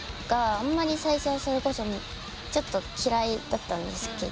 あんまり最初はそれこそちょっと嫌いだったんですけど。